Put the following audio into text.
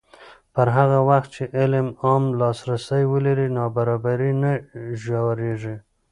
پر هغه وخت چې علم عام لاسرسی ولري، نابرابري نه ژورېږي.